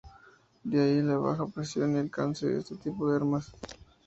De ahí la baja precisión y alcance de este tipo de armas.